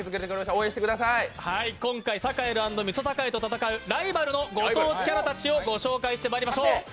今回サカエル＆みそさかいと戦うライバルのご当地キャラたちを御紹介して参りましょう。